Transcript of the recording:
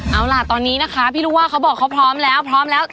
เอาล่ะตอนนี้นะคะพี่รู้ว่าเขาบอกเขาพร้อมแล้วพร้อมแล้ว